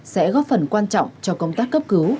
sẽ góp phần quan trọng cho công tác cấp cứu